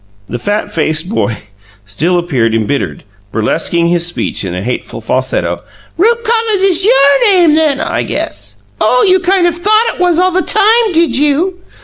The fat faced boy still appeared embittered, burlesquing this speech in a hateful falsetto. "'Rupe Collins is YOUR name, then, I guess!' Oh, you 'kind of thought it was, all the time,' did you?"